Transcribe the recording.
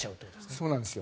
そうなんですよ。